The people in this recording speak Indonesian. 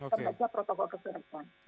terhadap protokol kesehatan